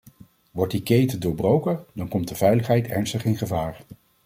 Wordt die keten doorbroken, dan komt de veiligheid ernstig in gevaar.